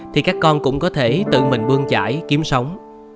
thì các con cũng có thể tự mình bương trải kiếm sống